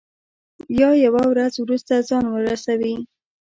یا یوه ورځ وروسته ځان ورسوي.